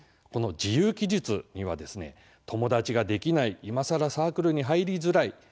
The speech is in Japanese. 自由記述には「友達ができない」「いまさらサークルに入りづらい」